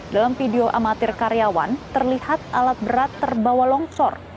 dalam video amatir karyawan terlihat alat berat terbawa longsor